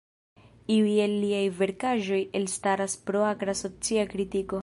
Iuj el liaj verkaĵoj elstaras pro akra socia kritiko.